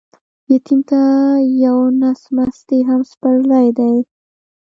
يتيم ته يو نس مستې هم پسرلى دى.